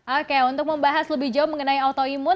oke untuk membahas lebih jauh mengenai autoimun